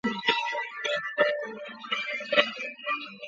其市场地位也逐渐被消费电子展取代。